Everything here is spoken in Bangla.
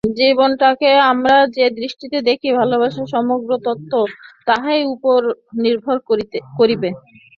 জীবনটাকে আমরা যে দৃষ্টিতে দেখি, ভালবাসার সমগ্র তত্ত্ব তাহারই উপর নির্ভর করিবে।